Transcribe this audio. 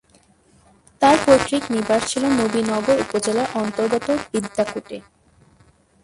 তাঁর পৈতৃক নিবাস ছিল নবিনগর উপজেলার অন্তর্গত বিদ্যাকূটে।